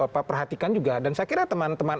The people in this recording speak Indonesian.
perhatikan juga dan saya kira teman teman